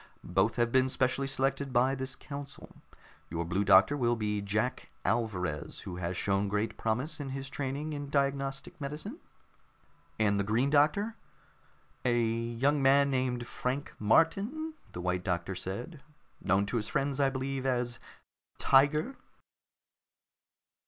Both have been specially selected by this council. Your Blue Doctor will be Jack Alvarez, who has shown great promise in his training in diagnostic medicine." "And the Green Doctor?" "A young man named Frank Martin," the White Doctor said. "Known to his friends, I believe, as 'Tiger.'"